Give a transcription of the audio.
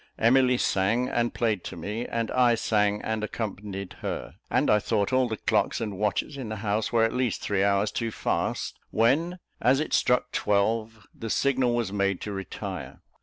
Emily sang and played to me, and I sang and accompanied her; and I thought all the clocks and watches in the house were at least three hours too fast, when, as it struck twelve, the signal was made to retire.